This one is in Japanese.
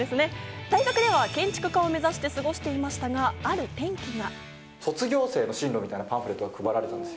大学では建築家を目指して頑張っていましたがある転機が。